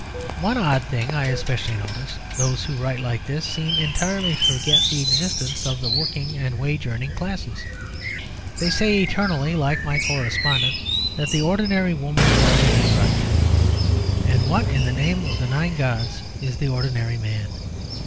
One odd thing I specially notice. Those who write like this seem entirely to forget the existence of the working and wage earning classes. They say eternally, like my correspondent, that the ordinary woman is always a drudge. And what, in the name of the Nine Gods, is the ordinary man?